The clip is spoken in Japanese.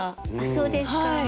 そうですか。